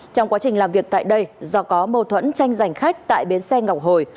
trong quá trình làm việc tại đây do có mâu thuẫn tranh giành khách tại bến xe ngọc hồi